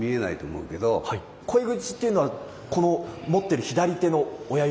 鯉口っていうのはこの持ってる左手の親指ですか？